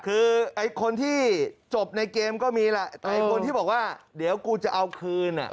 คือไอ้คนที่จบในเกมก็มีแหละแต่ไอ้คนที่บอกว่าเดี๋ยวกูจะเอาคืน